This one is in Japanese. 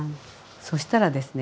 そしたらですね